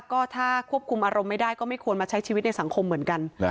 ก็ถ้าควบคุมอารมณ์ไม่ได้ก็ไม่ควรมาใช้ชีวิตในสังคมเหมือนกัน